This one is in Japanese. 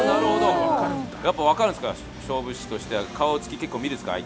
やっぱり分かるんですか、勝負師としては相手の顔を結構見るんですか。